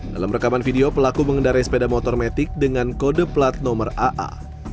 dalam rekaman video pelaku mengendarai sepeda motor metik dengan kode plat nomor aa